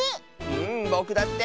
んぼくだって！